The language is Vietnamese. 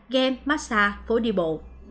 game massage phố đi bộ